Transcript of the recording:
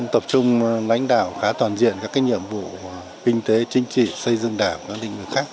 tập trung lãnh đạo khá toàn diện các nhiệm vụ kinh tế chính trị xây dựng đảng các lĩnh vực khác